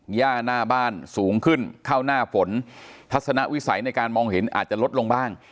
หน้าบ้านสูงขึ้นเข้าหน้าฝนทัศนวิสัยในการมองเห็นอาจจะลดลงบ้าง